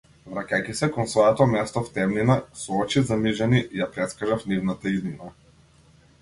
Враќајќи се кон своето место в темнина, со очи замижани ја претскажав нивната иднина.